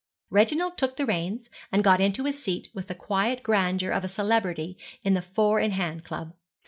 Reginald took the reins, and got into his seat with the quiet grandeur of a celebrity in the four in hand club.